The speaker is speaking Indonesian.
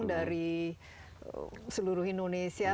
dari seluruh indonesia